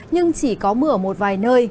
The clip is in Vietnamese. nhưng chỉ có mưa một vài nơi